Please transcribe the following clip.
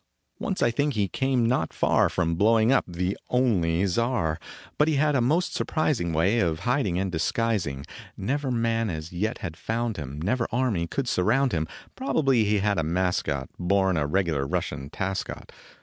Once I think he came not far From blowing up "the only" czar, But he had a most surprising Way of hiding and disguising Never man as yet had found him, Never army could surround him. Probably he had a mascot Born a regular Russian Tascott.